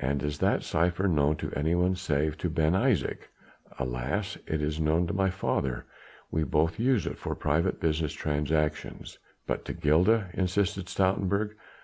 "And is that cypher known to anyone save to Ben Isaje?" "Alas! it is known to my father. We both use it for private business transactions." "But to Gilda?" insisted Stoutenburg.